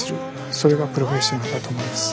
それがプロフェッショナルだと思います。